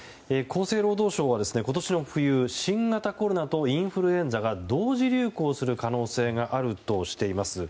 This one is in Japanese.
厚生労働省は今年の冬新型コロナとインフルエンザが同時流行する可能性があるとしています。